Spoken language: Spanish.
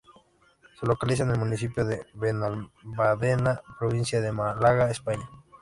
Se localiza en el municipio de Benalmádena, provincia de Málaga, España.